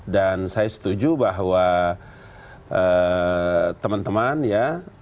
dan saya setuju bahwa teman teman ya